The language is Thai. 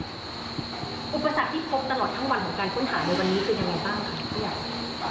อุปสรรคที่พบตลอดทั้งวันของการค้นหาในวันนี้เป็นยังไงบ้างคะผู้ใหญ่